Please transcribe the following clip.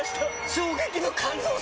衝撃の感動作！